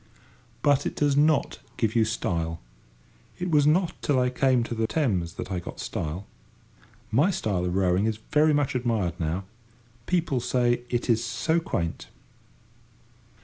But it does not give you style. It was not till I came to the Thames that I got style. My style of rowing is very much admired now. People say it is so quaint.